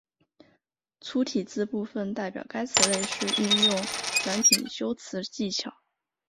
粗体字部分代表该词类是运用转品修辞技巧。